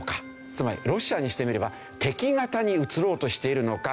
つまりロシアにしてみれば敵方に移ろうとしているのか。